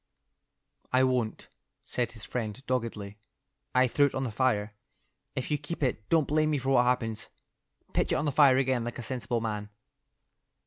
"I won't," said his friend, doggedly. "I threw it on the fire. If you keep it, don't blame me for what happens. Pitch it on the fire again like a sensible man."